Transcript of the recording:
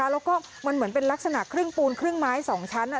แล้วก็มันเหมือนเป็นลักษณะครึ่งปูนครึ่งไม้๒ชั้น